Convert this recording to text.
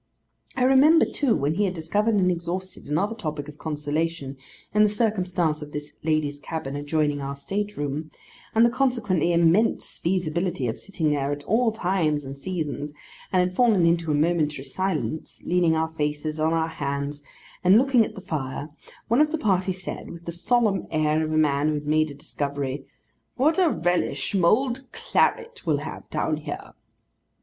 I remember, too, when we had discovered and exhausted another topic of consolation in the circumstance of this ladies' cabin adjoining our state room, and the consequently immense feasibility of sitting there at all times and seasons, and had fallen into a momentary silence, leaning our faces on our hands and looking at the fire, one of our party said, with the solemn air of a man who had made a discovery, 'What a relish mulled claret will have down here!